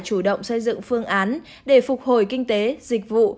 chủ động xây dựng phương án để phục hồi kinh tế dịch vụ